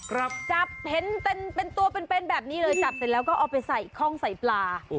จับเห็นเป็นตัวเป็นแบบนี้เลยจับเสร็จแล้วก็เอาไปใส่คล่องใส่ปลา